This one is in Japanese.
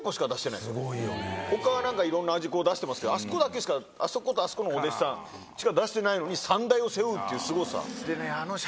他は何かいろんな味出してますけどあそこだけしかあそことあそこのお弟子さん。しか出してないのに三大を背負うっていうすごさ。